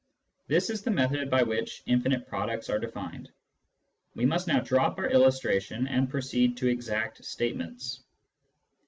This is the method by which infinite products are defined. We must now drop our illustration, and proceed to exact statements.